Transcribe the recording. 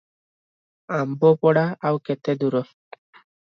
ଆମ୍ବପଡା ଆଉ କେତେ ଦୂର?